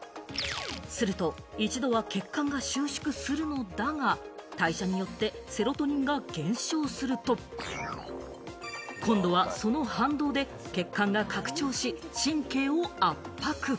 すると一度は血管が収縮するのだが、代謝によってセロトニンが減少すると、今度はその反動で血管が拡張し、神経を圧迫。